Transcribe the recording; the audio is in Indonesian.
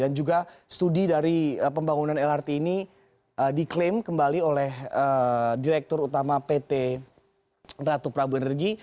dan juga studi dari pembangunan lrt ini diklaim kembali oleh direktur utama pt ratu prabu energi